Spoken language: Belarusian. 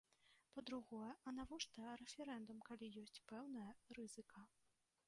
Па-другое, а навошта рэферэндум, калі ёсць пэўная рызыка.